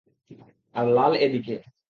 আর লাল এদিকে।